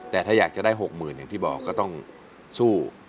แต่ถ้าอยากจะได้๖๐๐๐อย่างที่บอกก็ต้องสู้